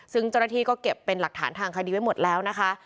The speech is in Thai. ซึ่งเจ้าหน้าที่ก็เก็บเป็นหลักฐานทางคดีไว้หมดแล้วนะคะ